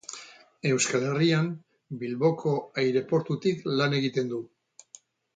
Euskal Herrian Bilboko aireportutik lan egiten du.